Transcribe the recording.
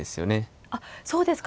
あっそうですか。